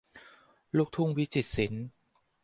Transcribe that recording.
ลูกทุ่งวิจิตรศิลป์